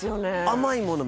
甘いもの